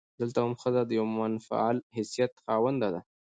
دلته هم ښځه د يوه منفعل حيثيت خاونده ده.